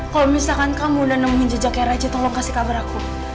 kalau misalkan kamu udah nemuin jejaknya raja tolong kasih kabar aku